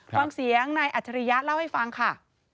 ฟังเสียงนายอัจฉริยะเล่าให้ฟังค่ะ